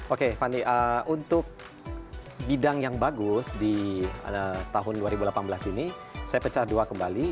oke fani untuk bidang yang bagus di tahun dua ribu delapan belas ini saya pecah dua kembali